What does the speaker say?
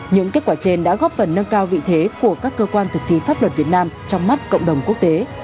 những kết quả trên đã góp phần nâng cao vị thế của các cơ quan thực thi pháp luật việt nam trong mắt cộng đồng quốc tế